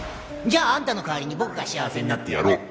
じゃああんたの代わりに僕が幸せになってやろ